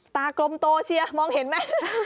กลมโตเชียมองเห็นไหม